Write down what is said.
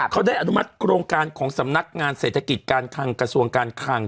เขาได้อนุมัติโครงการของสำนักงานเศรษฐกิจการคังกระทรวงการคัง